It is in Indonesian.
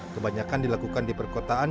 kebanyakan dilakukan di perkotaan